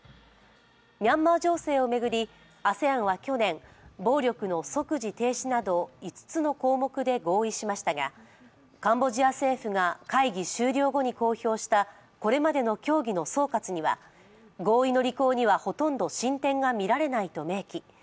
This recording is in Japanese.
ミャンマー情勢を巡りＡＳＥＡＮは去年暴力の即時停止など５つの項目で合意しましたがカンボジア政府が、会議終了後に公表した、これまでの協議の総括には合意の履行にはほとんど進展が見られないと明記。